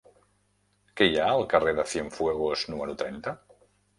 Què hi ha al carrer de Cienfuegos número trenta?